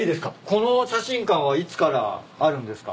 この写真館はいつからあるんですか？